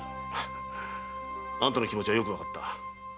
あんたの気持ちはよくわかった。